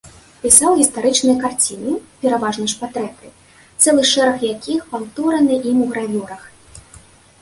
Пісаў гістарычныя карціны, пераважна ж партрэты, цэлы шэраг якіх паўтораны ім у гравюрах.